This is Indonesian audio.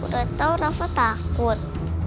udah tau rafa takut